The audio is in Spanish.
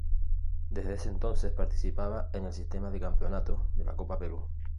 Desde ese entonces participaba en el sistema de campeonatos de la Copa Perú.